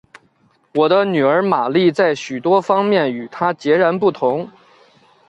我的女儿玛丽在许多方面与她则截然不同。